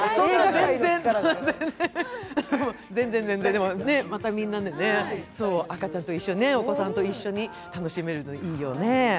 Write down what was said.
でもまたみんなで赤ちゃんと一緒に、お子さんと一緒に楽しめるのいいよね。